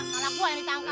karena buah ini tangkap